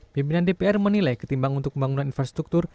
pimpinan dpr menilai ketimbang untuk pembangunan infrastruktur